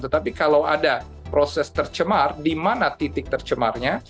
tetapi kalau ada proses tercemar di mana titik tercemarnya